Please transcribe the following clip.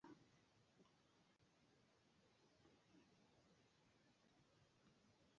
The locals had always used the name Cootamundra.